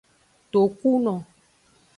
Tokuno.